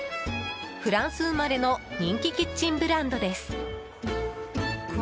フランス生まれの人気キッチンブランドです。